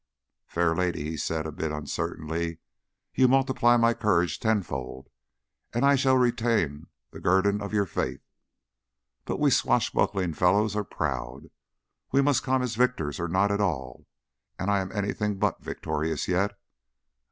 "Fair lady," he said, a bit uncertainly, "you multiply my courage tenfold, and I shall retain the guerdon of your faith. But we swashbuckling fellows are proud; we must come as victors or not at all, and I am anything but victorious, yet.